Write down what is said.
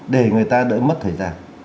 để người ta đỡ mất thời gian